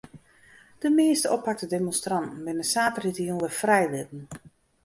De measte oppakte demonstranten binne saterdeitejûn wer frijlitten.